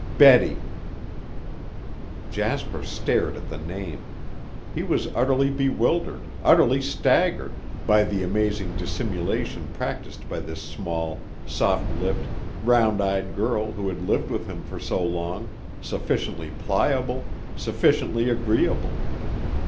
Betty Jasper stared at the name. He was utterly bewildered, utterly staggered, by the amazing dissimulation practiced by this small, soft lipped, round eyed girl who had lived with him for so long, sufficiently pliable, sufficiently agreeable.